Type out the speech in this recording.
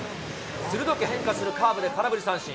鋭く変化するカーブで空振り三振。